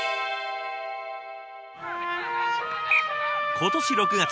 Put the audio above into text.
今年６月。